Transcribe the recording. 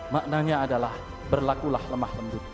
maknanya adalah berlakulah lemah lembut